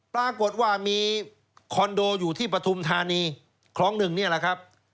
ปรากฏว่ามีคอนโดอยู่ที่ปฐุมธานีคลองหนึ่งนี่แหละครับ